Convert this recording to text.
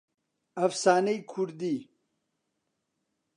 ئەفسانەی کوردی